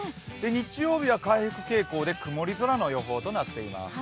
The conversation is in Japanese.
日曜日は回復傾向で曇り空の予報となっています。